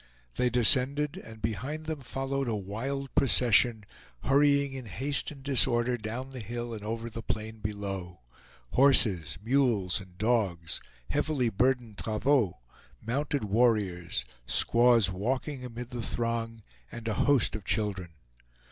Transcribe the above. They descended, and behind them followed a wild procession, hurrying in haste and disorder down the hill and over the plain below; horses, mules, and dogs, heavily burdened travaux, mounted warriors, squaws walking amid the throng, and a host of children.